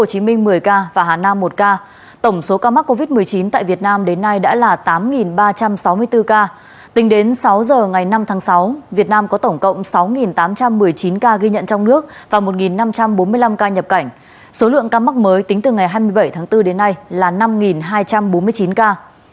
số lượng ca mắc mới tính từ ngày hai mươi bảy tháng bốn đến nay là năm hai trăm bốn mươi chín ca